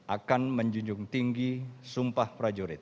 akan menjunjung tinggi sumpah prajurit